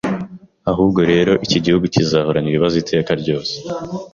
ahubwo rero iki gihugu kizahoran’ibibazo iteka ryose